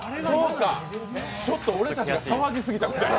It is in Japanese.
ちょっと俺たちが騒ぎすぎた。